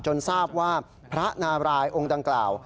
ทราบว่าพระนารายองค์ดังกล่าว